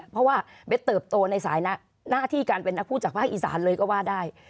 เพราะว่าเบสเติบโตในสายหน้าที่การเป็นนักพูดจากภาคอีสานเลยก็ว่าได้